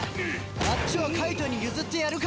あっちは介人に譲ってやるか。